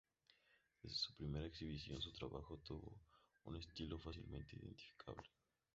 Desde su primera exhibición, su trabajo tuvo un estilo fácilmente identificable.